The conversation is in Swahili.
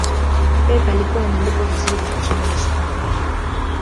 pep alikuwa analipwa vizuri nchini hispania